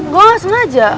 gue ga sengaja